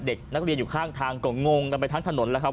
เด็กนักเรียนอยู่ข้างทางก็งงกันไปทั้งถนนแล้วครับ